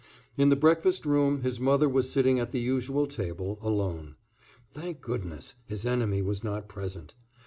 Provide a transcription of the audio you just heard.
In the breakfast room his mother was sitting at their usual table, alone. Thank goodness, his enemy was not present.